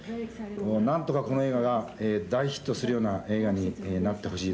なんとかこの映画が、大ヒットするような映画になってほしい。